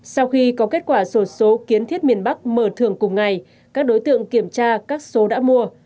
sau khi có kết quả sổ số kiến thiết miền bắc mở thường cùng ngày các đối tượng kiểm tra các số đã mua